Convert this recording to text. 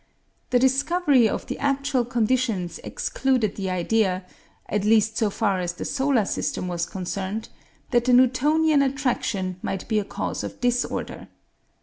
The discovery of the actual conditions excluded the idea, at least so far as the solar system was concerned, that the Newtonian attraction might be a cause of disorder.